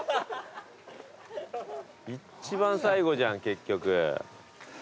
一番最後じゃん結局。